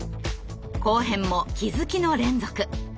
後編も気づきの連続。